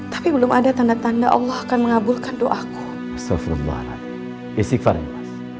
tapi belum ada tanda tanda allah akan mengabulkan doaku